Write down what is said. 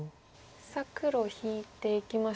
さあ黒引いていきました。